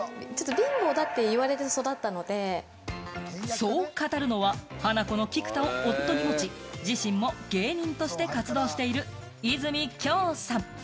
そう語るのはハナコの菊田を夫に持ち、自身も芸人として活動している和泉杏さん。